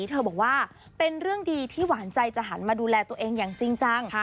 เธอบอกว่าเป็นเรื่องดีที่หวานใจจะหันมาดูแลตัวเองอย่างจริงจัง